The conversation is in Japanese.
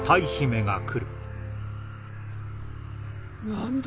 何だ？